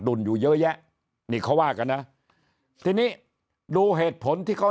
ดุลอยู่เยอะแยะนี่เขาว่ากันนะทีนี้ดูเหตุผลที่เขา